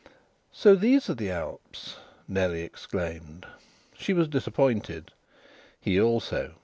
"So these are the Alps!" Nellie exclaimed. She was disappointed; he also.